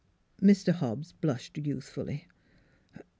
Mr. Hobbs blushed youthfully.